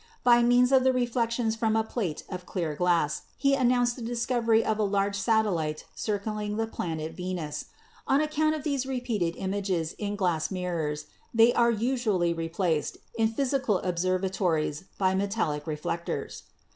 By means of the reflections from a plate of clear glass he announced the discovery of a large satellite circling the planet Venus ! On account of these repeated images in glass mirrors, they are usually replaced, in physical observatories, by metallic reflectors.